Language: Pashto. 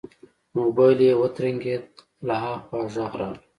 موبايل يې وترنګېد له ها خوا غږ راغی.